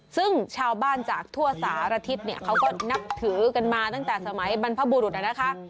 ซึ่งชาวบ้านจากทั่วสารทิศเนี่ยเขาก็นับถือกันมาตั้งแต่สมัยบรรพบุรุษนะคะ